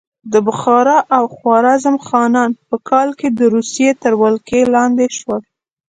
د بخارا او خوارزم خانان په کال کې د روسیې تر ولکې لاندې شول.